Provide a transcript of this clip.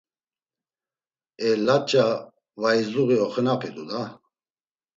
E Laç̌a vaizluği oxenapitu da!